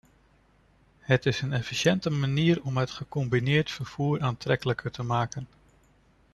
Het is een efficiënte manier om het gecombineerd vervoer aantrekkelijker te maken.